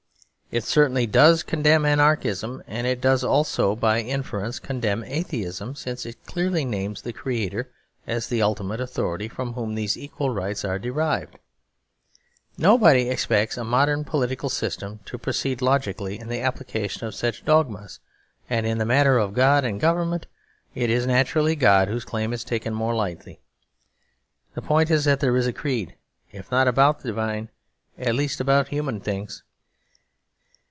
It certainly does condemn anarchism, and it does also by inference condemn atheism, since it clearly names the Creator as the ultimate authority from whom these equal rights are derived. Nobody expects a modern political system to proceed logically in the application of such dogmas, and in the matter of God and Government it is naturally God whose claim is taken more lightly. The point is that there is a creed, if not about divine, at least about human things.